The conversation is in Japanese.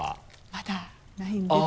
まだないんですよ。